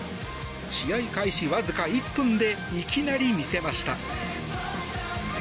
試合開始わずか１分でいきなり見せました。